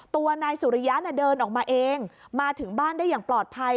ตัวนายสุริยะเดินออกมาเองมาถึงบ้านได้อย่างปลอดภัย